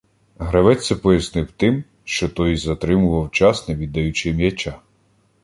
Гравець це пояснив тим, що той затримував час, не віддаючи м'яча.